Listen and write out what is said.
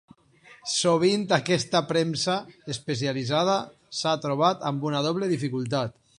Sovint aquesta premsa especialitzada s'ha trobat amb una doble dificultat.